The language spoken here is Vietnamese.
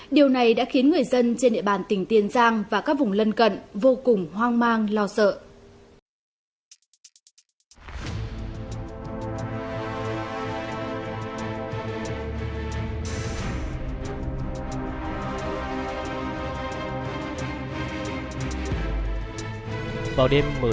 điều này đã khiến người dân trên địa bàn tỉnh tiền giang và các vùng lân cận vô cùng hoang mang lo sợ